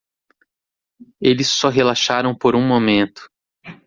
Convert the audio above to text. Eles só relaxaram por um momento.